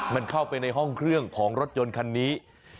มันเข้าไปในห้องเครื่องของรถยนต์คันนี้